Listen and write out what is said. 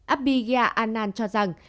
abiga anand cho rằng